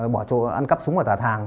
bỏ trộn ăn cắp súng ở tà thàng